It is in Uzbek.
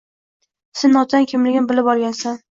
Sen otang kimligin bilib olgansan.